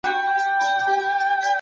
مغولو په خپل حاکمیت کي ډېري سیمې ونیولي.